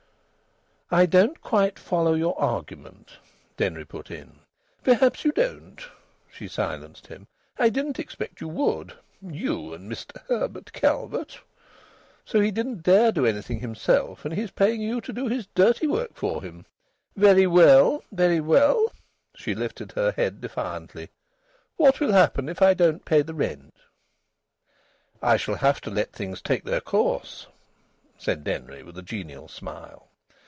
"I don't quite follow your argument," Denry put in. "Perhaps you don't," she silenced him. "I didn't expect you would. You and Mr Herbert Calvert...! So he didn't dare to do anything himself, and he's paying you to do his dirty work for him! Very well! Very well!..." She lifted her head defiantly. "What will happen if I don't pay the rent?" "I shall have to let things take their course," said Denry with a genial smile.